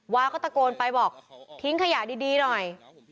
วาก็ตะโกนไปบอกทิ้งขยะดีหน่อย